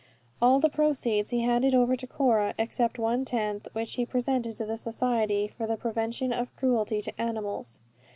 All the proceeds he handed over to Cora, except one tenth, which he presented to the Society for the Prevention of Cruelty to Animals.